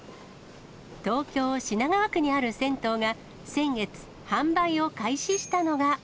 東京・品川区にある銭湯が先月、販売を開始したのが。